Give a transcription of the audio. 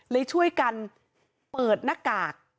เลยช่วยกันเปิดหน้ากาก